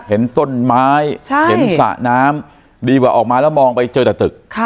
เห็นต้นไม้เห็นสระน้ำดีกว่าออกมาแล้วมองไปเจอแต่ตึก